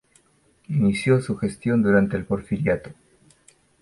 Inició su gestión durante el Porfiriato.